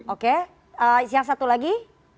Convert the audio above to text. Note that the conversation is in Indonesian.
oke yang satu lagi